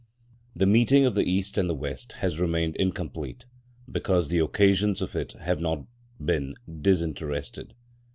The meeting of the East and the West has remained incomplete, because the occasions of it have not been disinterested.